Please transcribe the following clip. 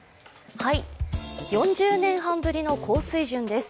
４０年半ぶりの高水準です。